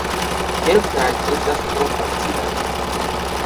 Kelkaj estas tro facilaj.